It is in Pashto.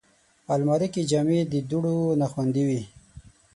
الماري کې جامې د دوړو نه خوندي وي